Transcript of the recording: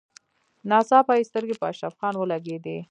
ناڅاپه يې سترګې په اشرف خان ولګېدې.